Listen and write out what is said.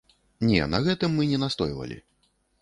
Не, на гэтым мы не настойвалі.